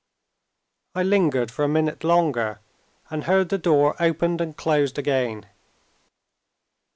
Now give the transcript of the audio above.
I lingered for a minute longer and heard the door opened and closed again.